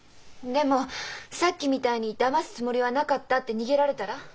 でもさっきみたいに「だますつもりはなかった」って逃げられたら？